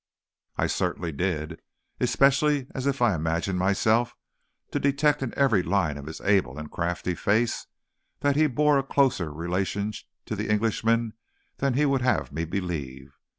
"I certainly did, especially as I imagined myself to detect in every line of his able and crafty face that he bore a closer relation to the Englishman than he would have me believe.